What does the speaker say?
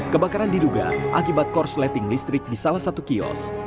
kebakaran diduga akibat korsleting listrik di salah satu kios